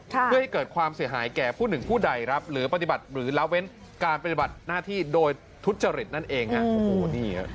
เพื่อให้เกิดความเสียหายแก่ผู้หนึ่งผู้ใดรับหรือปฏิบัติหรือละเว้นการปฏิบัติหน้าที่โดยทุจริตนั่นเอง